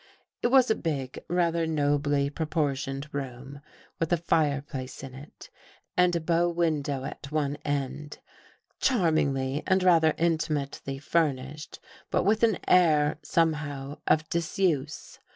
It was a big, rather nobly proportioned room, with a fireplace in it and a bow window at one end — charmingly and rather intimately furnished, but with an air, somehow, of disuse.